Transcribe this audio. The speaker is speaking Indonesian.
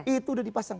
itu udah dipasang